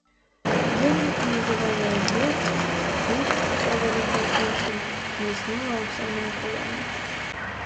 Ельнік неўзабаве разбегся, і, уся залітая сонцам, бліснула аўсяная паляна.